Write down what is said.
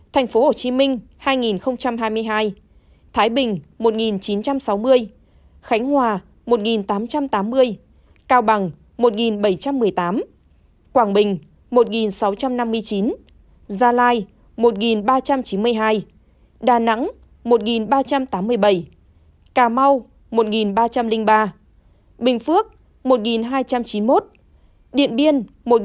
thành phố hồ chí minh hai nghìn hai mươi hai thái bình một nghìn chín trăm sáu mươi khánh hòa một nghìn tám trăm tám mươi cao bằng một nghìn bảy trăm một mươi tám quảng bình một nghìn sáu trăm năm mươi chín gia lai một nghìn ba trăm chín mươi hai đà nẵng một nghìn ba trăm tám mươi bảy cà mau một nghìn ba trăm linh ba bình phước một nghìn hai trăm chín mươi một điện biên một nghìn hai trăm hai mươi tám